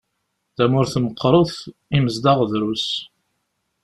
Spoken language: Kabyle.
Tamurt meqqert, imezdaɣ drus.